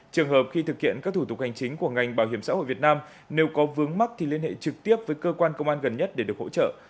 trường hợp khi thực hiện các thủ tục hành chính của ngành bảo hiểm xã hội việt nam nếu có vướng mắt thì liên hệ trực tiếp với cơ quan công an gần nhất để được hỗ trợ